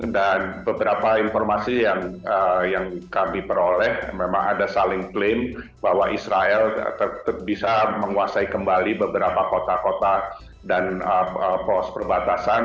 dan beberapa informasi yang kami peroleh memang ada saling klaim bahwa israel bisa menguasai kembali beberapa kota kota dan pos perbatasan